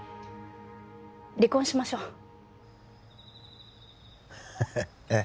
離婚しましょうええ？